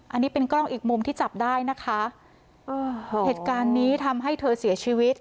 อันนี้เป็นกล้องอีกมุมที่จับได้นะคะเออเหตุการณ์นี้ทำให้เธอเสียชีวิต